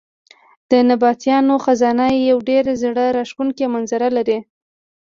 د نبطیانو خزانه یو ډېر زړه راښکونکی منظر لري.